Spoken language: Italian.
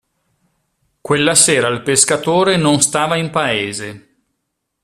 Quella sera il pescatore non stava in paese.